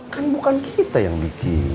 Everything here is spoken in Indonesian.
kan bukan kita yang bikin